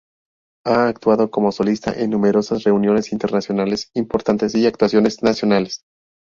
Ha actuado como solista en numerosas reuniones internacionales importantes y actuaciones nacionales.